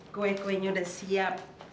kue kuenya sudah siap